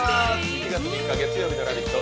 ７月３日、月曜日の「ラヴィット！」。